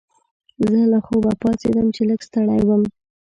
زه له خوبه پاڅیدم چې لږ ستړی وم.